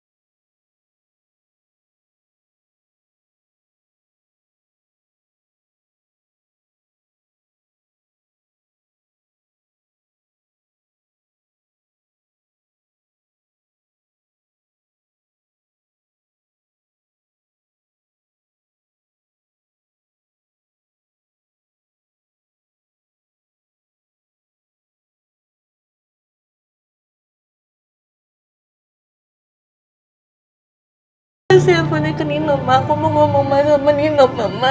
nanti aku mau telfon sama nino